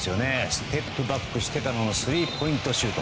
ステップバックしてからのスリーポイントシュート。